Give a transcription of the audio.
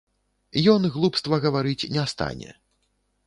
Ён глупства гаварыць не стане.